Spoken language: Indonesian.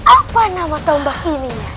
apa nama tombak ini yai